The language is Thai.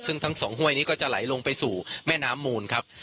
ซึ่งทั้งสองห้วยนี้ก็จะไหลลงไปสู่แม่น้ำมูลครับ